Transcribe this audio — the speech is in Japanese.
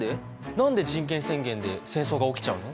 何で人権宣言で戦争が起きちゃうの？